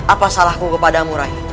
apa salahku kepadamu rai